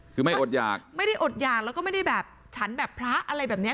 คือไม่อดหยากไม่ได้อดหยากแล้วก็ไม่ได้แบบฉันแบบพระอะไรแบบเนี้ย